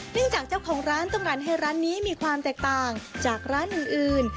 จากเจ้าของร้านต้องการให้ร้านนี้มีความแตกต่างจากร้านอื่น